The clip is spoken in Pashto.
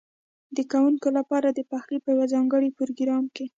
ده کوونکو لپاره د پخلي په یوه ځانګړي پروګرام